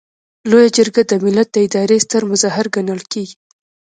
لویه جرګه د ملت د ادارې ستر مظهر ګڼل کیږي.